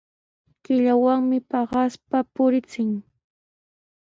Killawanmi paqaspa purinchik.